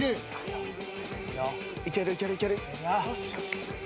いけるいけるいける。